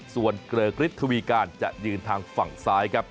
ส่วนเกริกฤทธวีการจะยืนทางฝั่งซ้ายครับ